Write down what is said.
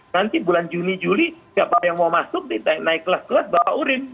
nanti bulan juni juli siapa yang mau masuk naik kelas kelas bawa urin